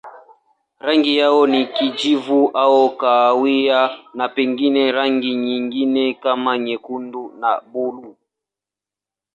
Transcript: Rangi yao ni kijivu au kahawia na pengine rangi nyingine kama nyekundu na buluu.